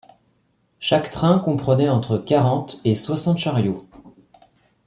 Chaque train comprenait entre quarante et soixante chariots.